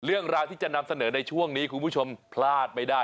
เรื่องราวที่จะนำเสนอในช่วงนี้คุณผู้ชมพลาดไม่ได้